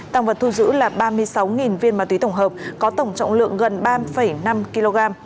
tăng vật thu giữ là ba mươi sáu viên ma túy tổng hợp có tổng trọng lượng gần ba năm kg